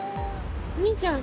お兄ちゃん。